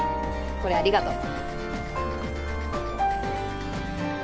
これありがとう。